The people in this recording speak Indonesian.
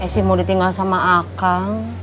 si mau ditinggal sama akang